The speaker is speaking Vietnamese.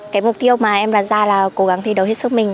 cái mục tiêu mà em đặt ra là cố gắng thi đấu hết sức mình